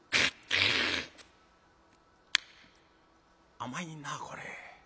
「甘いなこれ。